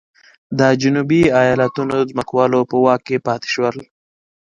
د جنوبي ایالتونو ځمکوالو په واک کې پاتې شول.